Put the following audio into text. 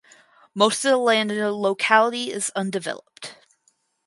Most of the land in the locality is undeveloped.